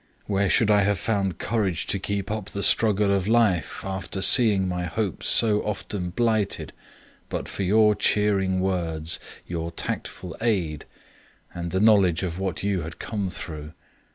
Where should I have found courage to keep up the struggle of life, after seeing my hopes so often blighted, but for your cheering words, your tactful aid, and the knowledge of what you had come through?